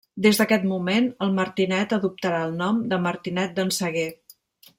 Des d'aquest moment el martinet adoptarà el nom de Martinet d'en Saguer.